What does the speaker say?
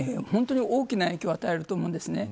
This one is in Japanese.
本当に大きな影響を与えると思います。